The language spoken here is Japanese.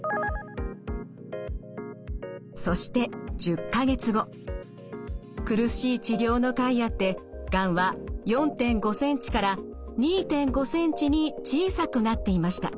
そして１０か月後苦しい治療のかいあってがんは４．５ｃｍから２．５ｃｍに小さくなっていました。